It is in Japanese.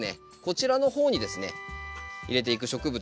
こちらの方にですね入れていく植物